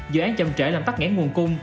dự án chậm trễ làm tắt ngãn nguồn cung